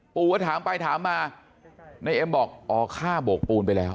ปู่ก็ถามไปถามมานายเอ็มบอกอ๋อฆ่าโบกปูนไปแล้ว